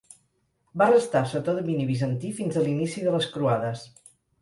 Va restar sota domini bizantí fins a l'inici de les croades.